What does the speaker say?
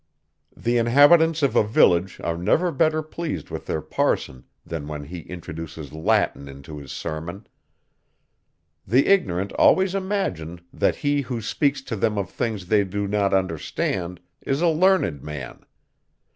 The inhabitants of a village are never better pleased with their parson, than when he introduces Latin into his sermon. The ignorant always imagine, that he, who speaks to them of things they do not understand, is a learned man.